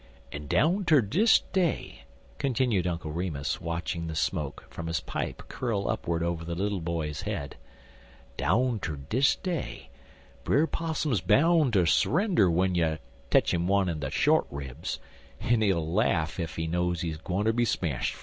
"En down ter dis day" continued Uncle Remus, watching the smoke from his pipe curl upward over the little boy's head "down ter dis day, Brer Possum's bound ter s'render w'en you tech him in de short ribs, en he'll laugh ef he knows he's gwineter be smashed fer it."